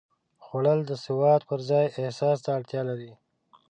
خوړل د سواد پر ځای احساس ته اړتیا لري